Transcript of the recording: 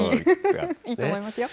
いいと思いますよ。